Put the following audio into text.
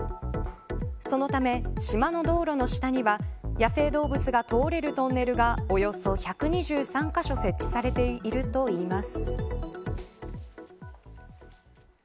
そのため島の道路の下には野生動物が通れるトンネルがおよそ１２３カ所設置されているといいます。